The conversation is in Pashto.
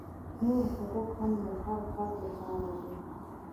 نور حقوق هم د هر فرد لپاره دي.